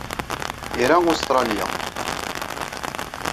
Ira Ustṛalya.